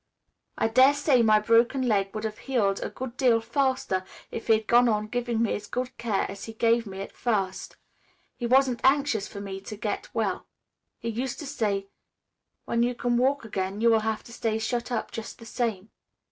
I dare say my broken leg would have healed a good deal faster, if he had gone on giving me as good care as he gave me at first. He wasn't anxious for me to get well. He used to say, 'When you can walk again, you will have to stay shut up just the same.